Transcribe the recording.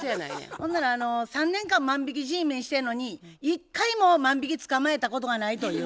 ほんならあの３年間万引きＧメンしてんのに一回も万引き捕まえたことがないという。